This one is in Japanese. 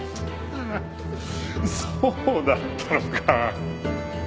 そうだったのか。